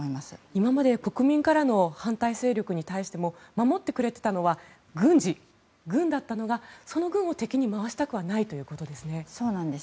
今まで国民からの反対勢力に対しても守ってくれていたのは軍だったのがその軍を敵に回したくないということですね。